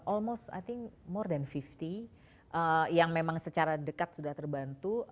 almos i think more dan lima puluh yang memang secara dekat sudah terbantu